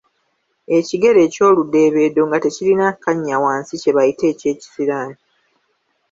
Ekigere eky'oludeebeedo nga tekirina kannya wansi kye bayita eky'ekisiraani.